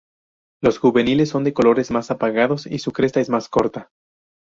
Los juveniles son de colores más apagados, y su cresta es más corta.